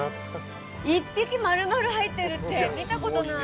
１匹まるまる入ってるって見たことない。